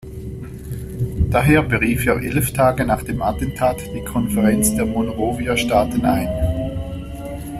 Daher berief er elf Tage nach dem Attentat die Konferenz der Monrovia-Staaten ein.